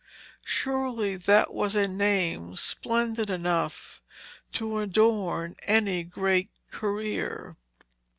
Surely that was a name splendid enough to adorn any great career.